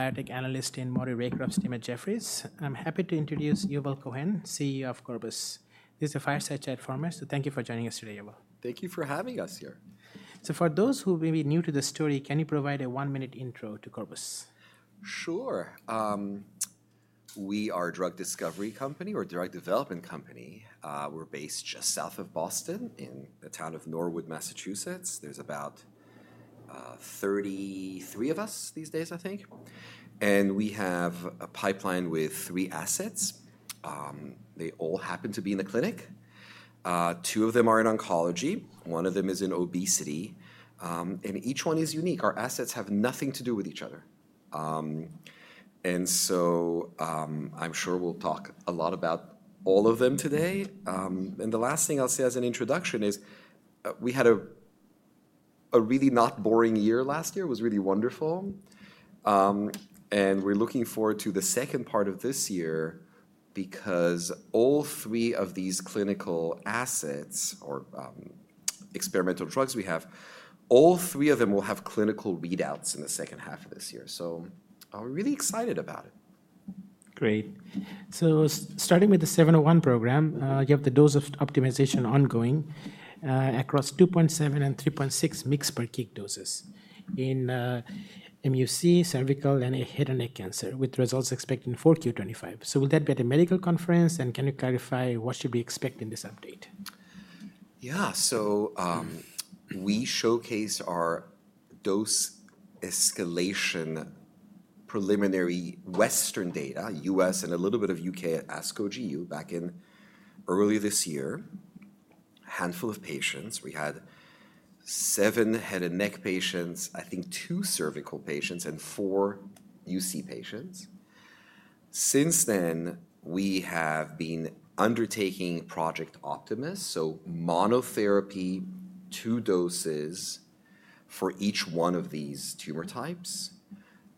Analyst in Moray Waycraft's team, Jefferies. I'm happy to introduce Yuval Cohen, CEO of Corbus. This is a fireside chat for me, so thank you for joining us today, Yuval. Thank you for having us here. For those who may be new to the story, can you provide a one-minute intro to Corbus? Sure. We are a drug discovery company or drug development company. We're based just south of Boston in the town of Norwood, Massachusetts. There are about 33 of us these days, I think. We have a pipeline with three assets. They all happen to be in the clinic. Two of them are in oncology. One of them is in obesity. Each one is unique. Our assets have nothing to do with each other. I'm sure we'll talk a lot about all of them today. The last thing I'll say as an introduction is we had a really not boring year last year. It was really wonderful. We're looking forward to the second part of this year because all three of these clinical assets or experimental drugs we have, all three of them will have clinical readouts in the second half of this year. We're really excited about it. Great. Starting with the 701 program, you have the dose optimization ongoing across 2.7 and 3.6 mg per kg doses in MUC, cervical, and head and neck cancer, with results expected in 4Q 2025. Will that be at a medical conference? Can you clarify what should we expect in this update? Yeah. So we showcased our dose escalation preliminary Western data, U.S. and a little bit of U.K. ASCO GU back in early this year, a handful of patients. We had seven head and neck patients, I think two cervical patients, and four UC patients. Since then, we have been undertaking Project Optimus, so monotherapy, two doses for each one of these tumor types.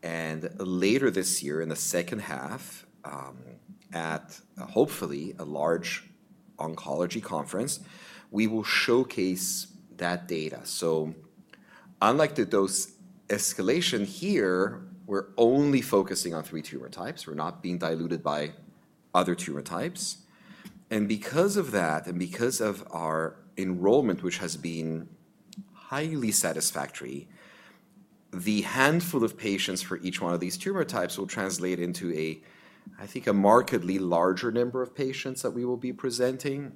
Later this year, in the second half, at hopefully a large oncology conference, we will showcase that data. Unlike the dose escalation here, we're only focusing on three tumor types. We're not being diluted by other tumor types. Because of that, and because of our enrollment, which has been highly satisfactory, the handful of patients for each one of these tumor types will translate into a, I think, a markedly larger number of patients that we will be presenting.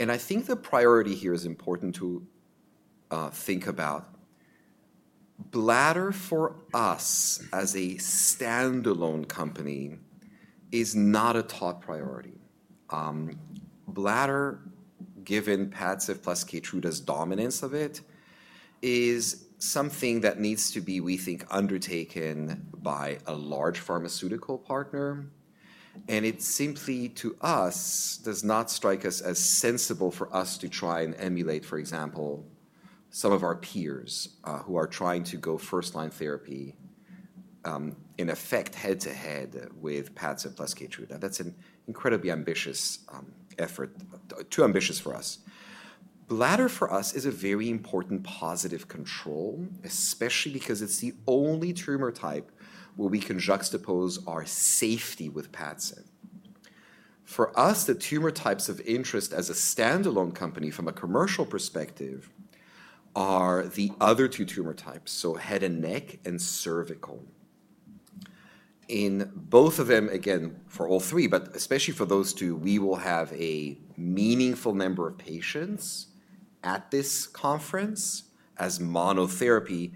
I think the priority here is important to think about. Bladder, for us as a standalone company, is not a top priority. Bladder, given PADCEV plus KEYTRUDA's dominance of it, is something that needs to be, we think, undertaken by a large pharmaceutical partner. It simply, to us, does not strike us as sensible for us to try and emulate, for example, some of our peers who are trying to go first-line therapy in effect head-to-head with PADCEV plus KEYTRUDA. That's an incredibly ambitious effort, too ambitious for us. Bladder, for us, is a very important positive control, especially because it's the only tumor type where we can juxtapose our safety with PADCEV. For us, the tumor types of interest as a standalone company from a commercial perspective are the other two tumor types, so head and neck and cervical. In both of them, again, for all three, but especially for those two, we will have a meaningful number of patients at this conference as monotherapy.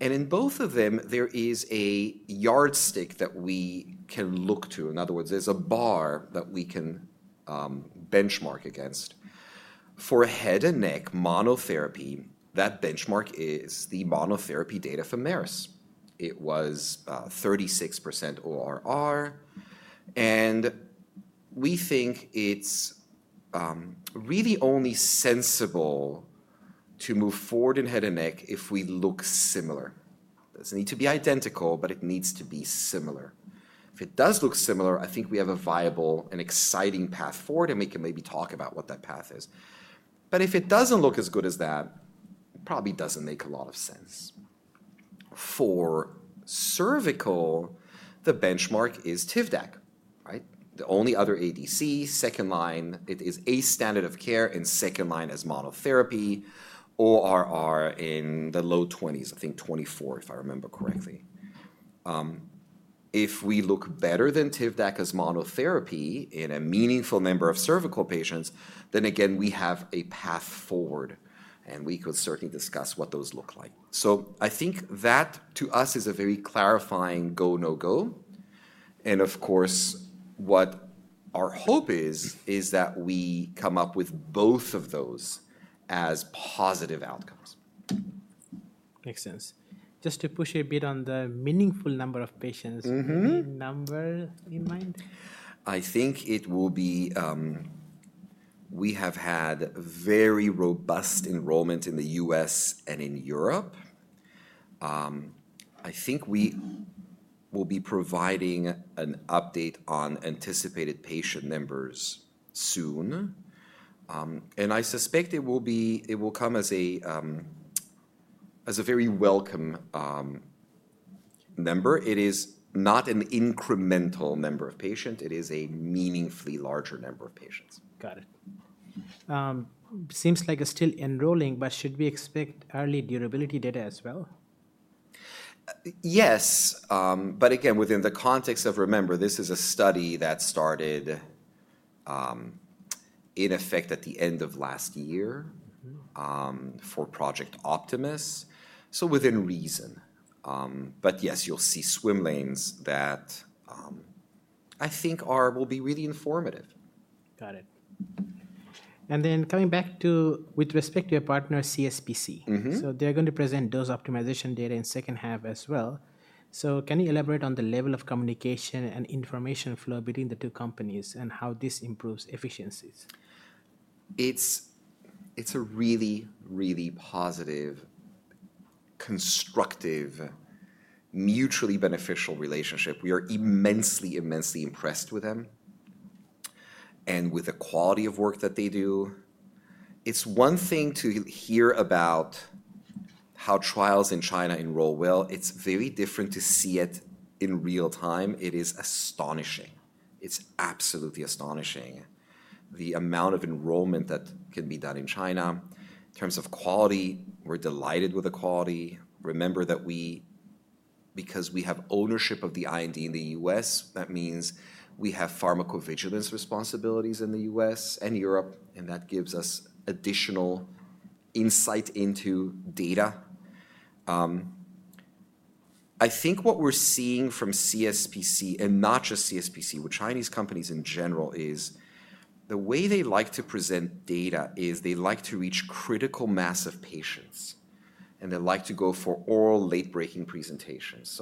In both of them, there is a yardstick that we can look to. In other words, there is a bar that we can benchmark against. For head and neck monotherapy, that benchmark is the monotherapy data from Merck. It was 36% ORR. We think it is really only sensible to move forward in head and neck if we look similar. It does not need to be identical, but it needs to be similar. If it does look similar, I think we have a viable and exciting path forward, and we can maybe talk about what that path is. If it does not look as good as that, it probably does not make a lot of sense. For cervical, the benchmark is Tivdak, right? The only other ADC, second line. It is a standard of care in second line as monotherapy. ORR in the low 20s, I think 24%, if I remember correctly. If we look better than Tivdak as monotherapy in a meaningful number of cervical patients, then again, we have a path forward. We could certainly discuss what those look like. I think that, to us, is a very clarifying go, no go. Of course, what our hope is, is that we come up with both of those as positive outcomes. Makes sense. Just to push a bit on the meaningful number of patients, do you have a number in mind? I think it will be we have had very robust enrollment in the U.S. and in Europe. I think we will be providing an update on anticipated patient numbers soon. I suspect it will come as a very welcome number. It is not an incremental number of patients. It is a meaningfully larger number of patients. Got it. Seems like it's still enrolling, but should we expect early durability data as well? Yes. Again, within the context of, remember, this is a study that started in effect at the end of last year for Project Optimus. Within reason. Yes, you'll see swim lanes that I think will be really informative. Got it. Then coming back to with respect to your partner, CSPC. They're going to present dose optimization data in the second half as well. Can you elaborate on the level of communication and information flow between the two companies and how this improves efficiencies? It's a really, really positive, constructive, mutually beneficial relationship. We are immensely, immensely impressed with them and with the quality of work that they do. It's one thing to hear about how trials in China enroll well. It's very different to see it in real time. It is astonishing. It's absolutely astonishing the amount of enrollment that can be done in China. In terms of quality, we're delighted with the quality. Remember that because we have ownership of the IND in the U.S., that means we have pharmacovigilance responsibilities in the U.S. and Europe, and that gives us additional insight into data. I think what we're seeing from CSPC, and not just CSPC, with Chinese companies in general, is the way they like to present data is they like to reach critical mass of patients. They like to go for oral late-breaking presentations.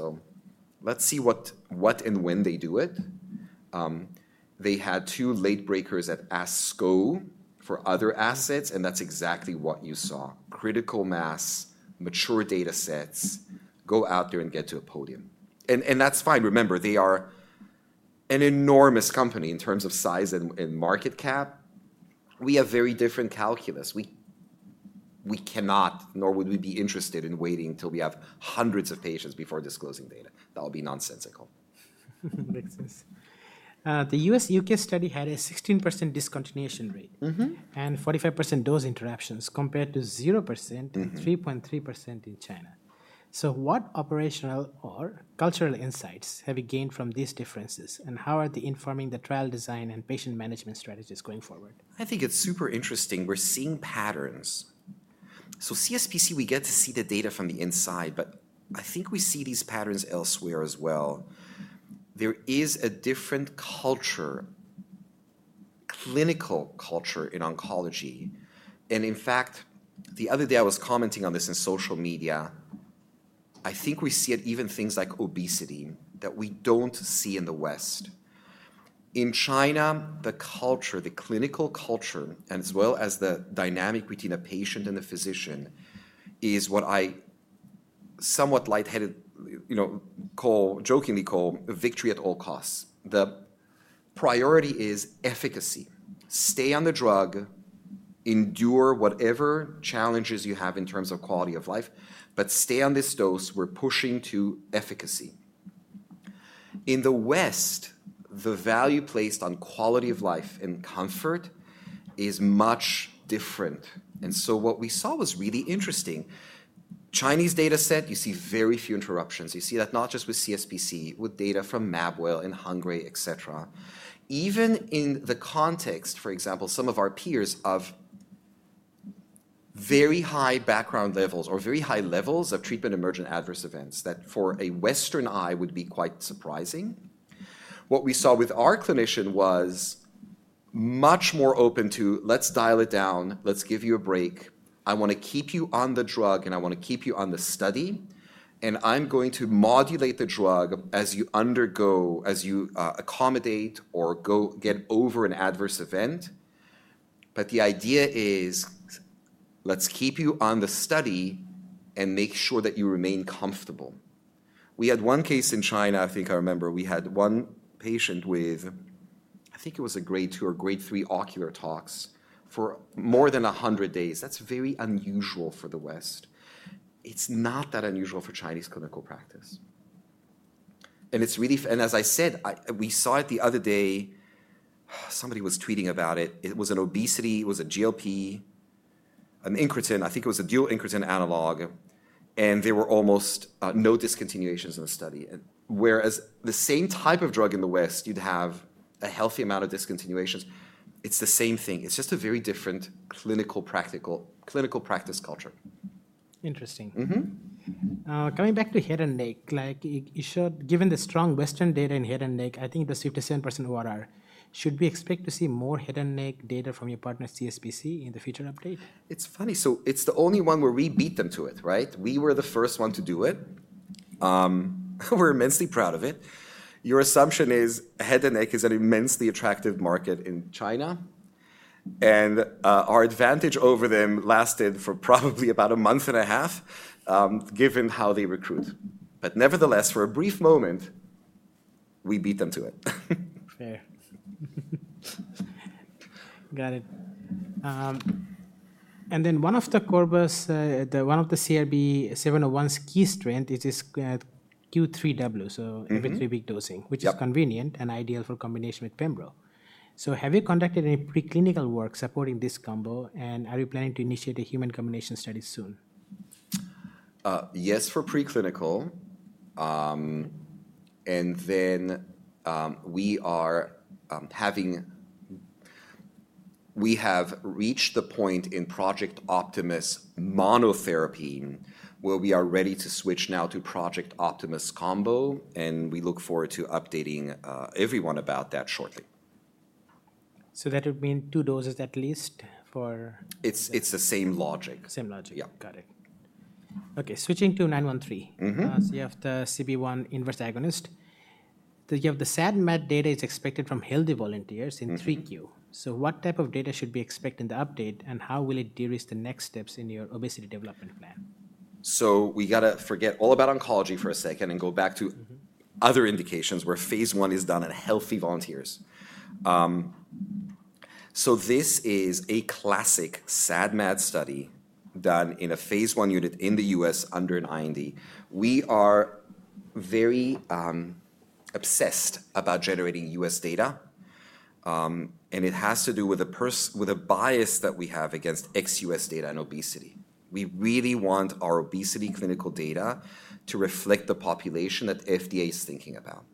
Let's see what and when they do it. They had two late breakers at ASCO for other assets, and that's exactly what you saw. Critical mass, mature data sets, go out there and get to a podium. That's fine. Remember, they are an enormous company in terms of size and market cap. We have very different calculus. We cannot, nor would we be interested in waiting until we have hundreds of patients before disclosing data. That would be nonsensical. Makes sense. The U.S.-U.K. study had a 16% discontinuation rate and 45% dose interruptions compared to 0% and 3.3% in China. What operational or cultural insights have you gained from these differences? How are they informing the trial design and patient management strategies going forward? I think it's super interesting. We're seeing patterns. CSPC, we get to see the data from the inside, but I think we see these patterns elsewhere as well. There is a different culture, clinical culture in oncology. In fact, the other day I was commenting on this in social media. I think we see it even in things like obesity that we don't see in the West. In China, the culture, the clinical culture, and as well as the dynamic between a patient and a physician is what I somewhat lighthearted jokingly call a victory at all costs. The priority is efficacy. Stay on the drug, endure whatever challenges you have in terms of quality of life, but stay on this dose. We're pushing to efficacy. In the West, the value placed on quality of life and comfort is much different. What we saw was really interesting. Chinese data set, you see very few interruptions. You see that not just with CSPC, with data from Mabwell and Hengrui, et cetera. Even in the context, for example, some of our peers of very high background levels or very high levels of treatment emergent adverse events that for a Western eye would be quite surprising. What we saw with our clinician was much more open to, let's dial it down, let's give you a break. I want to keep you on the drug, and I want to keep you on the study. I'm going to modulate the drug as you accommodate or get over an adverse event. The idea is, let's keep you on the study and make sure that you remain comfortable. We had one case in China, I think I remember. We had one patient with, I think it was a grade two or grade three ocular tox for more than 100 days. That's very unusual for the West. It's not that unusual for Chinese clinical practice. As I said, we saw it the other day. Somebody was tweeting about it. It was an obesity. It was a GLP, an incretin. I think it was a dual incretin analog. There were almost no discontinuations in the study. Whereas the same type of drug in the West, you'd have a healthy amount of discontinuations. It's the same thing. It's just a very different clinical practice culture. Interesting. Coming back to head and neck, given the strong Western data in head and neck, I think the 57% ORR, should we expect to see more head and neck data from your partner, CSPC, in the future update? It's funny. It's the only one where we beat them to it, right? We were the first one to do it. We're immensely proud of it. Your assumption is head and neck is an immensely attractive market in China. Our advantage over them lasted for probably about a month and a half, given how they recruit. Nevertheless, for a brief moment, we beat them to it. Fair. Got it. And then one of the Corbus, one of the CRB-701's key strengths is this Q3W, so every three-week dosing, which is convenient and ideal for combination with pembro. So have you conducted any preclinical work supporting this combo? And are you planning to initiate a human combination study soon? Yes, for preclinical. We have reached the point in Project Optimus monotherapy where we are ready to switch now to Project Optimus combo. We look forward to updating everyone about that shortly. That would mean two doses at least for. It's the same logic. Same logic. Yeah. Got it. Okay. Switching to 913. So you have the CB1 inverse agonist. You have the SAD/MAD data is expected from healthy volunteers in 3Q. What type of data should we expect in the update? How will it de-risk the next steps in your obesity development plan? We got to forget all about oncology for a second and go back to other indications where phase one is done in healthy volunteers. This is a classic SAD/MAD study done in a phase one unit in the U.S. under an IND. We are very obsessed about generating U.S. data. It has to do with a bias that we have against ex-U.S. data and obesity. We really want our obesity clinical data to reflect the population that the FDA is thinking about.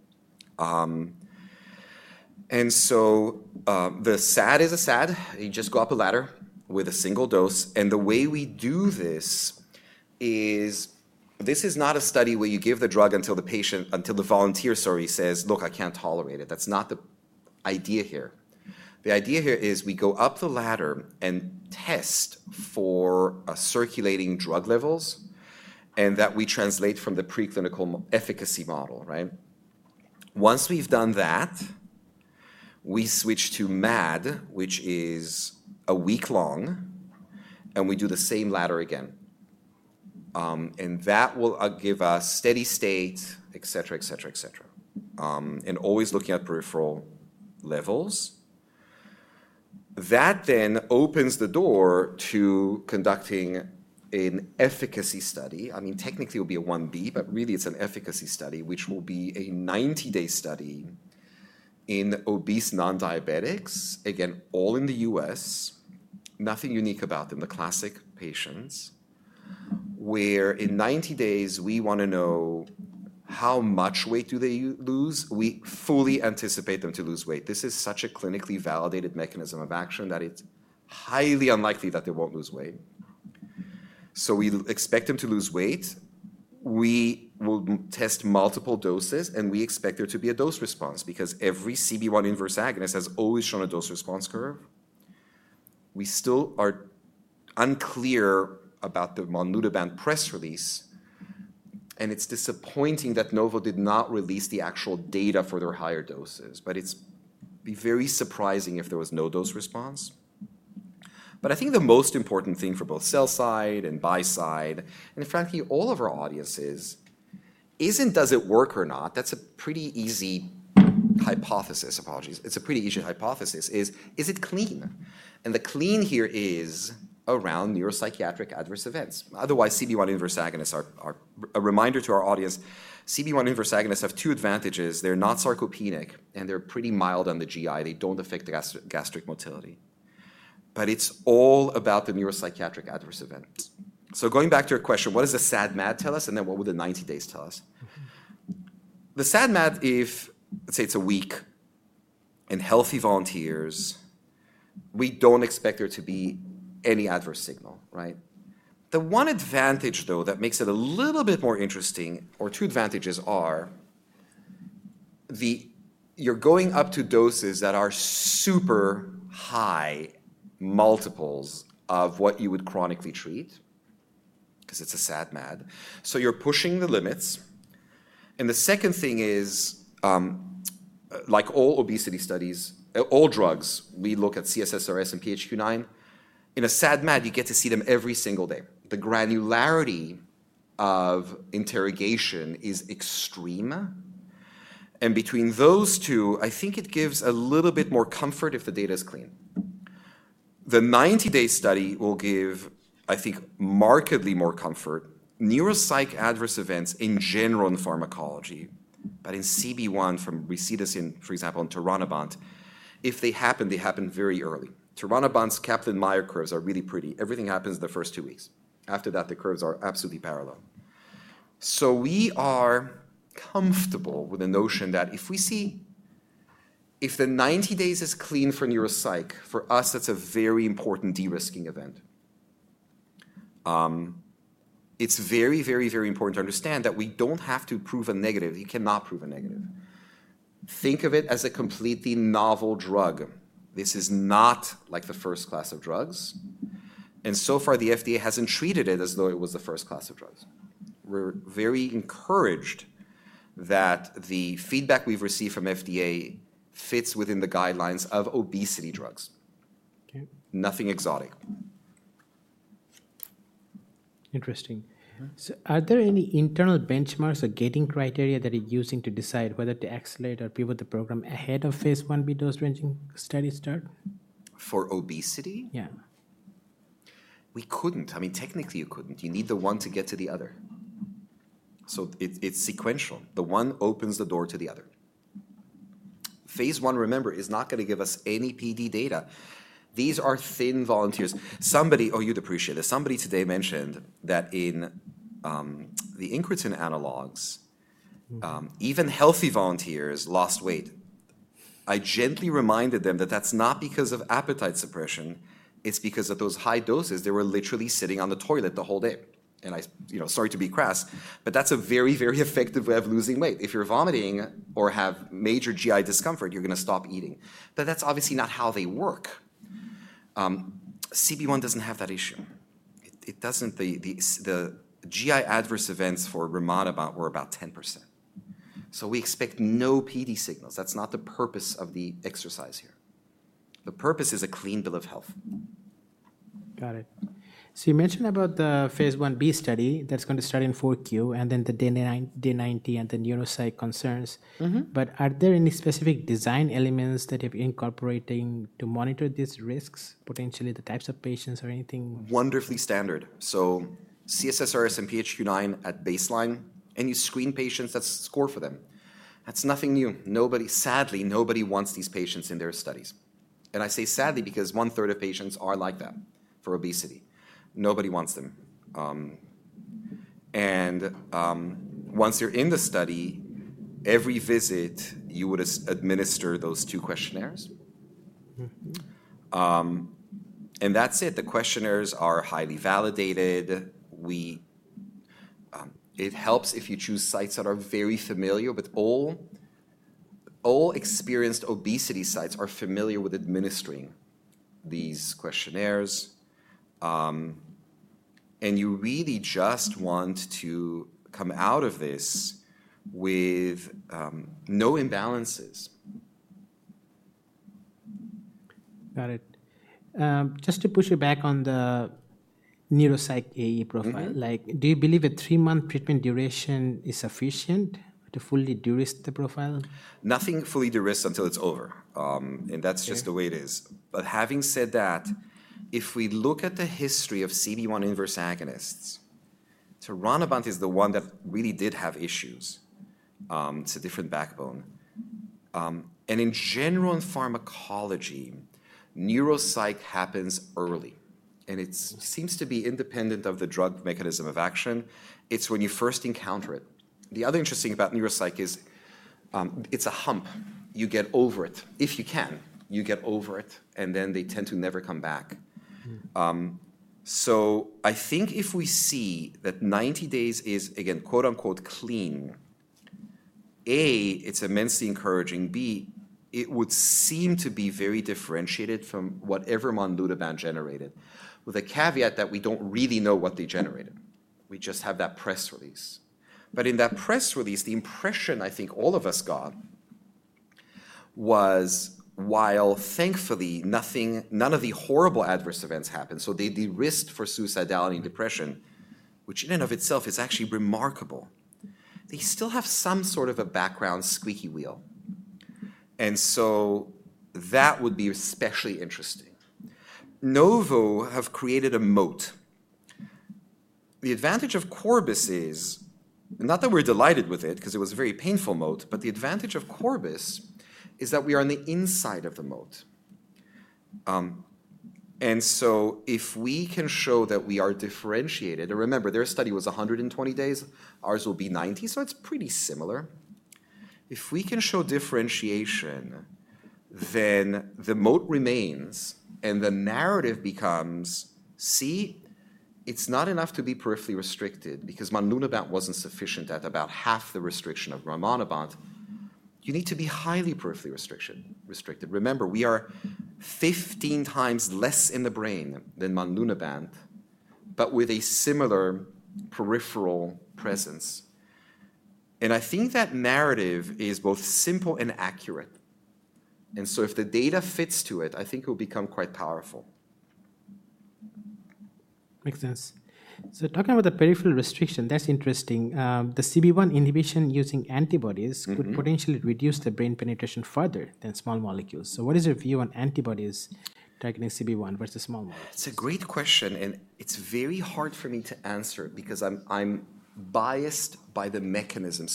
The SAD is a SAD. You just go up a ladder with a single dose. The way we do this is this is not a study where you give the drug until the volunteer, sorry, says, "Look, I can't tolerate it." That's not the idea here. The idea here is we go up the ladder and test for circulating drug levels and that we translate from the preclinical efficacy model, right? Once we've done that, we switch to MAD, which is a week long, and we do the same ladder again. That will give us steady state, et cetera, et cetera, et cetera. Always looking at peripheral levels. That then opens the door to conducting an efficacy study. I mean, technically, it will be a 1B, but really, it's an efficacy study, which will be a 90-day study in obese non-diabetics, again, all in the U.S., nothing unique about them, the classic patients, where in 90 days, we want to know how much weight do they lose. We fully anticipate them to lose weight. This is such a clinically validated mechanism of action that it's highly unlikely that they won't lose weight. We expect them to lose weight. We will test multiple doses, and we expect there to be a dose response because every CB1 inverse agonist has always shown a dose response curve. We still are unclear about the monlunabant press release. It is disappointing that Novo did not release the actual data for their higher doses. It would be very surprising if there was no dose response. I think the most important thing for both sell side and buy side, and frankly, all of our audiences, is not does it work or not. That is a pretty easy hypothesis, apologies. It is a pretty easy hypothesis. Is it clean? The clean here is around neuropsychiatric adverse events. Otherwise, CB1 inverse agonists are, a reminder to our audience, CB1 inverse agonists have two advantages. They are not sarcopenic, and they are pretty mild on the GI. They do not affect gastric motility. It is all about the neuropsychiatric adverse events. Going back to your question, what does the SAD/MAD tell us? And then what would the 90 days tell us? The SAD/MAD, if let's say it is a week in healthy volunteers, we do not expect there to be any adverse signal, right? The one advantage, though, that makes it a little bit more interesting, or two advantages, are you are going up to doses that are super high multiples of what you would chronically treat because it is a SAD/MAD. You are pushing the limits. The second thing is, like all obesity studies, all drugs, we look at C-SSRS and PHQ-9. In a SAD/MAD, you get to see them every single day. The granularity of interrogation is extreme. Between those two, I think it gives a little bit more comfort if the data is clean. The 90-day study will give, I think, markedly more comfort neuropsych adverse events in general in pharmacology, but in CB1, from we see this in, for example, in taranabant, if they happen, they happen very early. Taranabant's Kaplan-Meier curves are really pretty. Everything happens the first two weeks. After that, the curves are absolutely parallel. We are comfortable with the notion that if we see if the 90 days is clean for neuropsych, for us, that's a very important de-risking event. It's very, very, very important to understand that we don't have to prove a negative. You cannot prove a negative. Think of it as a completely novel drug. This is not like the first class of drugs. So far, the FDA hasn't treated it as though it was the first class of drugs. We're very encouraged that the feedback we've received from FDA fits within the guidelines of obesity drugs. Nothing exotic. Interesting. Are there any internal benchmarks or gating criteria that you're using to decide whether to accelerate or pivot the program ahead of phase one dose ranging study start? For obesity? Yeah. We couldn't. I mean, technically, you couldn't. You need the one to get to the other. So it's sequential. The one opens the door to the other. Phase one, remember, is not going to give us any PD data. These are thin volunteers. Somebody, oh, you'd appreciate this. Somebody today mentioned that in the incretin analogs, even healthy volunteers lost weight. I gently reminded them that that's not because of appetite suppression. It's because of those high doses. They were literally sitting on the toilet the whole day. Sorry to be crass, but that's a very, very effective way of losing weight. If you're vomiting or have major GI discomfort, you're going to stop eating. That's obviously not how they work. CB1 doesn't have that issue. The GI adverse events for rimonabant were about 10%. We expect no PD signals. That's not the purpose of the exercise here. The purpose is a clean bill of health. Got it. So you mentioned about the phase I-B study that's going to start in 4Q and then the day 90 and the neuropsych concerns. But are there any specific design elements that you're incorporating to monitor these risks, potentially the types of patients or anything? Wonderfully standard. C-SSRS and PHQ-9 at baseline. You screen patients. That is a score for them. That is nothing new. Sadly, nobody wants these patients in their studies. I say sadly because one-third of patients are like that for obesity. Nobody wants them. Once you are in the study, every visit, you would administer those two questionnaires. That is it. The questionnaires are highly validated. It helps if you choose sites that are very familiar with all. All experienced obesity sites are familiar with administering these questionnaires. You really just want to come out of this with no imbalances. Got it. Just to push it back on the neuropsych AE profile, do you believe a three-month treatment duration is sufficient to fully de-risk the profile? Nothing fully de-risked until it's over. That's just the way it is. Having said that, if we look at the history of CB1 inverse agonists, taranabant is the one that really did have issues. It's a different backbone. In general, in pharmacology, neuropsych happens early. It seems to be independent of the drug mechanism of action. It's when you first encounter it. The other interesting thing about neuropsych is it's a hump. You get over it. If you can, you get over it. They tend to never come back. I think if we see that 90 days is, again, quote-unquote, "clean," A, it's immensely encouraging. B, it would seem to be very differentiated from whatever monlunabant generated, with a caveat that we don't really know what they generated. We just have that press release. In that press release, the impression I think all of us got was, while thankfully none of the horrible adverse events happened, so they de-risked for suicidality and depression, which in and of itself is actually remarkable, they still have some sort of a background squeaky wheel. That would be especially interesting. Novo have created a moat. The advantage of Corbus is not that we're delighted with it because it was a very painful moat, but the advantage of Corbus is that we are on the inside of the moat. If we can show that we are differentiated, and remember, their study was 120 days. Ours will be 90, so it's pretty similar. If we can show differentiation, then the moat remains and the narrative becomes, see, it's not enough to be peripherally restricted because monlunabant wasn't sufficient at about half the restriction of rimonabant. You need to be highly peripherally restricted. Remember, we are 15 times less in the brain than monlunabant, but with a similar peripheral presence. I think that narrative is both simple and accurate. If the data fits to it, I think it will become quite powerful. Makes sense. Talking about the peripheral restriction, that's interesting. The CB1 inhibition using antibodies could potentially reduce the brain penetration further than small molecules. What is your view on antibodies targeting CB1 versus small molecules? It's a great question. It's very hard for me to answer because I'm biased by the mechanism.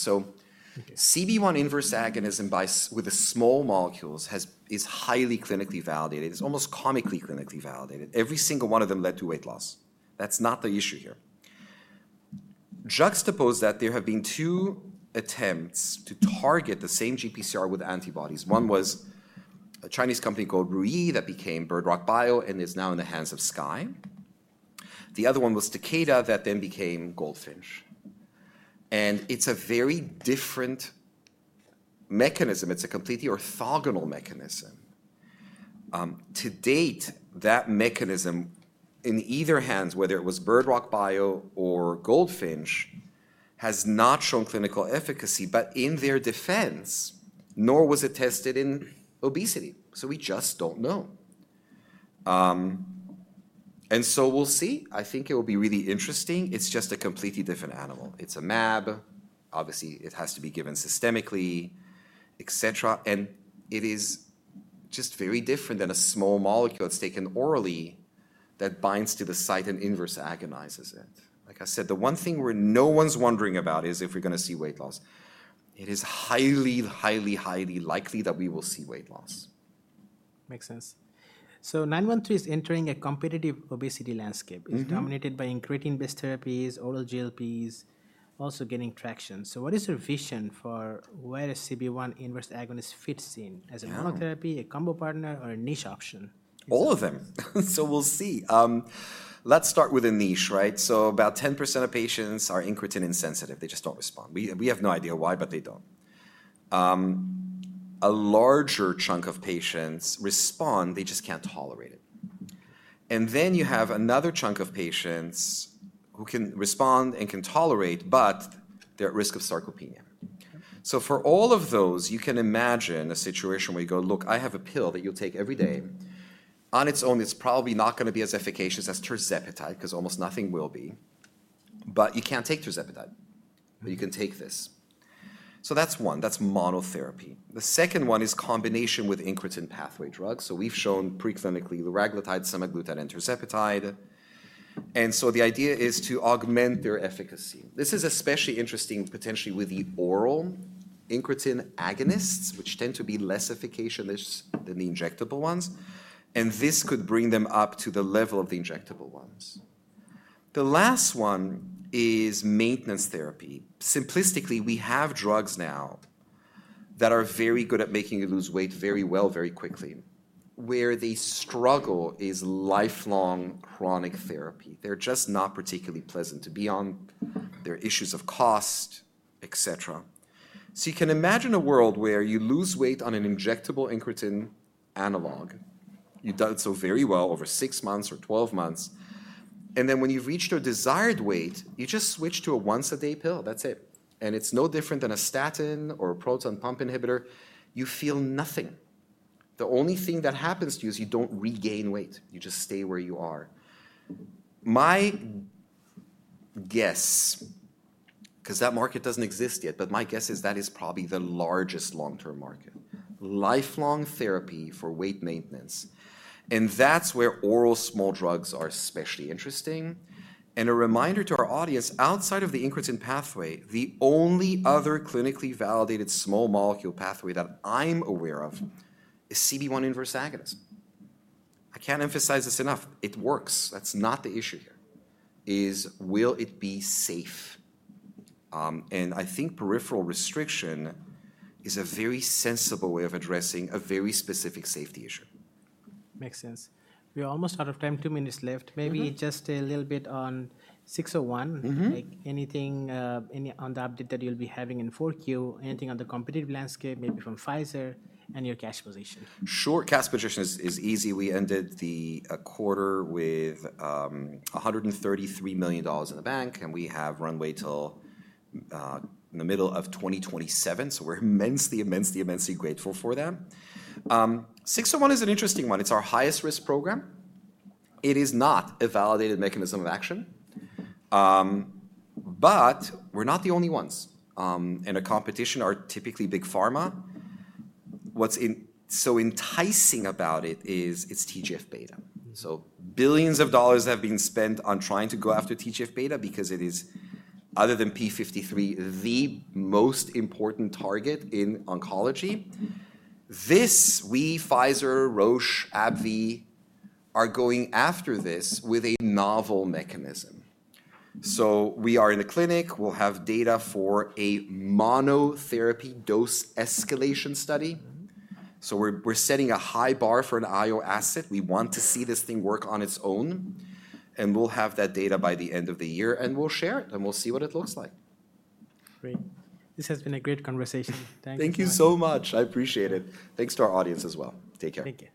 CB1 inverse agonism with the small molecules is highly clinically validated. It's almost comically clinically validated. Every single one of them led to weight loss. That's not the issue here. Juxtapose that there have been two attempts to target the same GPCR with antibodies. One was a Chinese company called RuiYi that became Bird Rock Bio and is now in the hands of Skye. The other one was Takeda that then became Goldfinch. It's a very different mechanism. It's a completely orthogonal mechanism. To date, that mechanism in either hands, whether it was Bird Rock Bio or Goldfinch, has not shown clinical efficacy, but in their defense, nor was it tested in obesity. We just don't know. We'll see. I think it will be really interesting. It's just a completely different animal. It's a MAB. Obviously, it has to be given systemically, et cetera. It is just very different than a small molecule that's taken orally that binds to the site and inverse agonizes it. Like I said, the one thing where no one's wondering about is if we're going to see weight loss. It is highly, highly, highly likely that we will see weight loss. Makes sense. So 913 is entering a competitive obesity landscape. It's dominated by incretin-based therapies, oral GLPs, also gaining traction. What is your vision for where a CB1 inverse agonist fits in as a monotherapy, a combo partner, or a niche option? All of them. We'll see. Let's start with a niche, right? About 10% of patients are incretin insensitive. They just don't respond. We have no idea why, but they don't. A larger chunk of patients respond. They just can't tolerate it. Then you have another chunk of patients who can respond and can tolerate, but they're at risk of sarcopenia. For all of those, you can imagine a situation where you go, look, I have a pill that you'll take every day. On its own, it's probably not going to be as efficacious as tirzepatide because almost nothing will be. You can't take tirzepatide. You can take this. That's one. That's monotherapy. The second one is combination with incretin pathway drugs. We've shown pre-clinically liraglutide, semaglutide, and tirzepatide. The idea is to augment their efficacy. This is especially interesting potentially with the oral incretin agonists, which tend to be less efficacious than the injectable ones. This could bring them up to the level of the injectable ones. The last one is maintenance therapy. Simplistically, we have drugs now that are very good at making you lose weight very well, very quickly. Where they struggle is lifelong chronic therapy. They're just not particularly pleasant to be on. There are issues of cost, et cetera. You can imagine a world where you lose weight on an injectable incretin analog. You've done so very well over six months or 12 months. When you've reached your desired weight, you just switch to a once-a-day pill. That's it. It's no different than a statin or a proton pump inhibitor. You feel nothing. The only thing that happens to you is you don't regain weight. You just stay where you are. My guess, because that market does not exist yet, but my guess is that is probably the largest long-term market, lifelong therapy for weight maintenance. That is where oral small drugs are especially interesting. A reminder to our audience, outside of the incretin pathway, the only other clinically validated small molecule pathway that I am aware of is CB1 inverse agonist. I cannot emphasize this enough. It works. That is not the issue here. Is will it be safe? I think peripheral restriction is a very sensible way of addressing a very specific safety issue. Makes sense. We're almost out of time. Two minutes left. Maybe just a little bit on 601. Anything on the update that you'll be having in 4Q? Anything on the competitive landscape, maybe from Pfizer and your cash position? Short cash position is easy. We ended the quarter with $133 million in the bank. We have runway till the middle of 2027. We are immensely, immensely, immensely grateful for them. 601 is an interesting one. It is our highest risk program. It is not a validated mechanism of action. We are not the only ones. Competition are typically big pharma. What is so enticing about it is it is TGF beta. Billions of dollars have been spent on trying to go after TGF beta because it is, other than P53, the most important target in oncology. This, we, Pfizer, Roche, AbbVie, are going after this with a novel mechanism. We are in the clinic. We will have data for a monotherapy dose escalation study. We are setting a high bar for an IO asset. We want to see this thing work on its own. We will have that data by the end of the year. We will share it. We will see what it looks like. Great. This has been a great conversation. Thank you. Thank you so much. I appreciate it. Thanks to our audience as well. Take care. Take care.